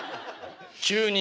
急に。